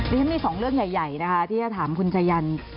นี้มี๒เรื่องใหญ่ที่จะถามคุณชายัน